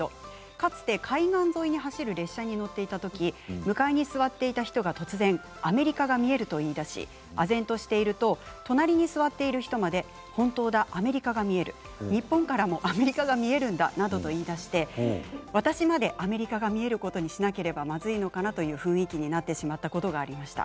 かつて海岸沿いに走る列車に乗っていたとき向かいに座っていた人が突然アメリカが見えると言いだしアメリカが見えると言いだし隣に座っている人まで本当だ、アメリカが見える日本からもアメリカが見えるんだなどと言いだして私までアメリカが見えることにしなければまずいのかなという雰囲気になってしまったことがありました。